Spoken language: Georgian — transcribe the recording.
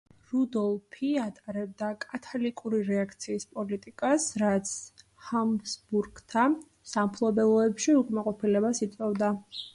რუდოლფი ატარებდა კათოლიკური რეაქციის პოლიტიკას, რაც ჰაბსბურგთა სამფლობელოებში უკმაყოფილებას იწვევდა.